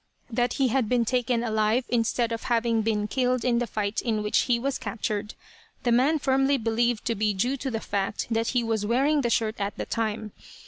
That he had been taken alive, instead of having been killed in the fight in which he was captured, the man firmly believed to be due to the fact that he was wearing the shirt at the time.